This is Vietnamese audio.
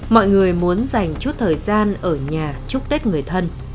mọi người muốn dành chút thời gian ở nhà chúc tết người thân